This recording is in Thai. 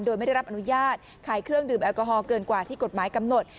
โดยไม่ได้รับอนุญาตขายเครื่องดื่มแอลกอฮอลเกินกว่าที่กฎหมายกำหนด